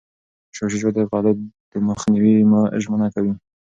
شاه شجاع د غلو د مخنیوي ژمنه کوي.